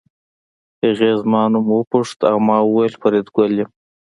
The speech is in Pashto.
هغې زما نوم وپوښت او ما وویل فریدګل یم